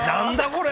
これ！